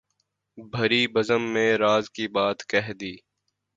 بھری بزم میں راز کی بات کہہ دی